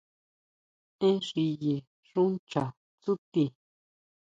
Én xiye xu ncha tsúti.